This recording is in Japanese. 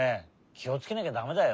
きをつけなきゃだめだよ。